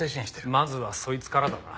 まずはそいつからだな。